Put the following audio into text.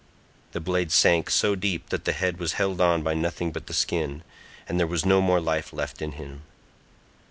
The blade sank so deep that the head was held on by nothing but the skin, and there was no more life left in him.